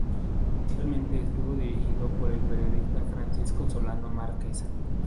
Inicialmente estuvo dirigido por el periodista Francisco Solano Márquez.